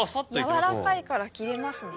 軟らかいから切れますね。